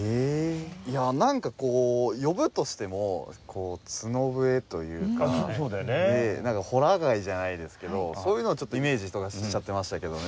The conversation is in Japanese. いやあなんか呼ぶとしても角笛というかほら貝じゃないですけどそういうのをちょっとイメージとかしちゃってましたけどね。